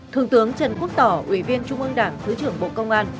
thượng tướng trần quốc tỏ ủy viên trung ương đảng thứ trưởng bộ công an